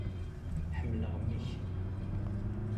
Ḥemmleɣ mmi-k.